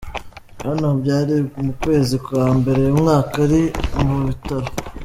Hano byari mu kwezi kwa mbere uyu mwaka ari mu bitaro.